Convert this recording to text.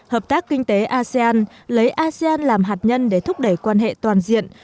hợp tác kinh tế asean lấy asean làm hạt nhân để thúc đẩy quan hệ toàn diện